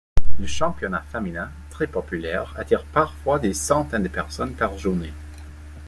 Le championnat féminin, très populaire, attire parfois des centaines de personnes par journée.